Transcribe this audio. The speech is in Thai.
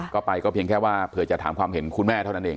ก็ไปก็เพียงแค่ว่าเผื่อจะถามความเห็นคุณแม่เท่านั้นเอง